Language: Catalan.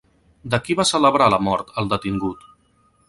De qui va celebrar la mort el detingut?